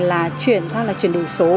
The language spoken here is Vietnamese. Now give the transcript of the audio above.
là chuyển ra là chuyển đồ số